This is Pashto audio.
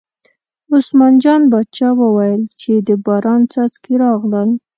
عثمان جان باچا وویل چې د باران څاڅکي راغلل.